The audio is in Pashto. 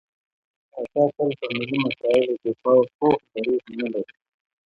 پاچا تل په ملي مسايلو کې پوخ دريځ نه لري.